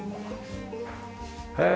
へえ。